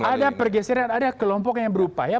ada pergeseran ada kelompok yang berupaya